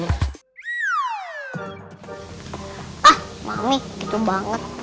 ah mami gitu banget